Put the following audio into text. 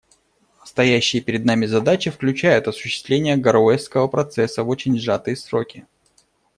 Стоящие перед нами задачи включают осуществление «Гароуэсского процесса» в очень сжатые сроки.